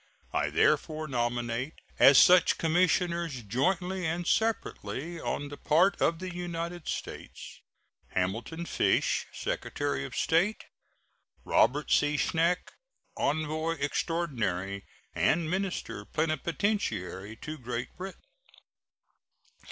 I therefore nominate as such commissioners, jointly and separately, on the part of the United States: Hamilton Fish, Secretary of State. Robert C. Schenck, envoy extraordinary and minister plenipotentiary to Great Britain.